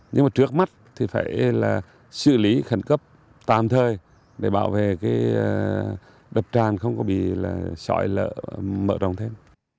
nhưng mà trước mắt thì phải xử lý khẩn cấp tạm thời để bảo vệ đập tràn không bị sỏi lỡ mở rộng thêm